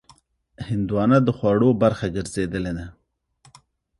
هندوانه د خوړو برخه ګرځېدلې ده.